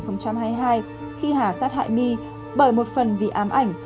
khi hà sát hại mi bởi một phần vì ám ảnh